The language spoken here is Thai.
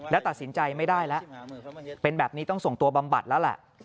แล้วตัดสินใจไม่ได้แล้วเป็นแบบนี้ต้องส่งตัวบำบัดแล้วแหละ